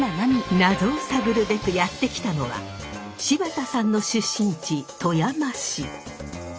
謎を探るべくやって来たのは柴田さんの出身地富山市。